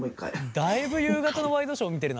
だいぶ夕方のワイドショー見てるな！